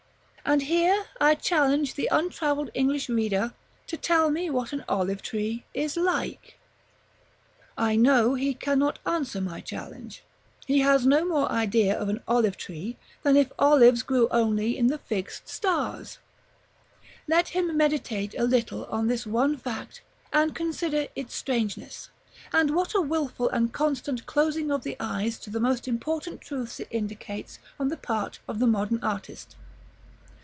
And here I challenge the untravelled English reader to tell me what an olive tree is like? § XII. I know he cannot answer my challenge. He has no more idea of an olive tree than if olives grew only in the fixed stars. Let him meditate a little on this one fact, and consider its strangeness, and what a wilful and constant closing of the eyes to the most important truths it indicates on the part of the modern artist.